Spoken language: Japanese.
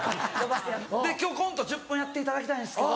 「今日コント１０分やっていただきたいんすけど。